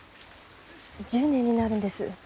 １０年になるんです。